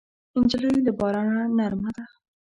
نجلۍ له بارانه نرمه ده.